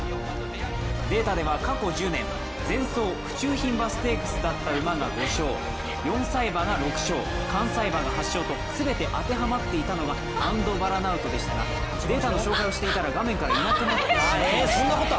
データでは過去１０年、前走府中牝馬ステークスだった馬が５勝４歳馬が６勝、関西馬が８勝と全て当てはまっていたのがアンドヴァラナウトでしたがデータの紹介をしていたら画面からいなくなってしまいました。